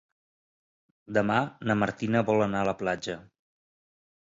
Demà na Martina vol anar a la platja.